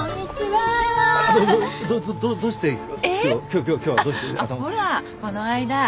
はい。